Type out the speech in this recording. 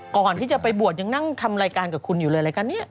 ก่อนที่จะไปบวชยังนั่งทำรายการกับคุณอยู่เลยรายการนี้